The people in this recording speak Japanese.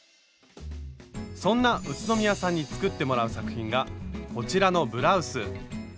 そんな宇都宮さんに作ってもらう作品がこちらのブラウス。